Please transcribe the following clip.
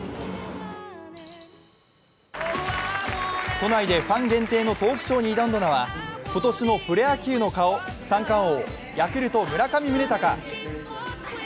都内でファン限定のトークショーに挑んだのは今年のプロ野球の顔、三冠王、ヤクルト・村上宗隆。